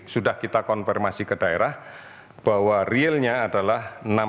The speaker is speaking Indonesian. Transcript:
sudah kita konfirmasi ke daerah bahwa realnya adalah enam ratus delapan puluh lima